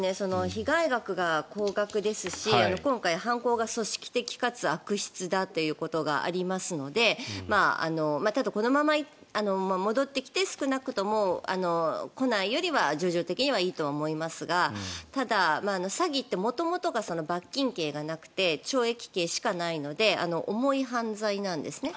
被害額が高額ですし今回、犯行が組織的かつ悪質だということがありますのでただ、このまま戻ってきて少なくとも、来ないよりは情状的にはいいと思いますがただ、詐欺って元々が罰金刑がなくて懲役刑しかないので重い犯罪なんですね。